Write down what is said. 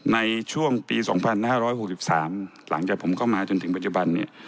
ในช่วงปี๒๕๖๓หลังจากผมเข้ามาจนถึงปัจจุบันเนี่ย